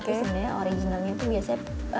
oke sebenarnya originalnya itu biasanya